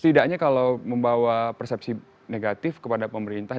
tidaknya kalau membawa persepsi negatif kepada pemerintahan